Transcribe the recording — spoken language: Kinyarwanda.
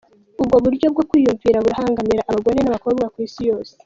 Ubwo buryo bwo kwiyumvira burabangamira abagore n'abakobwa kw'isi yose.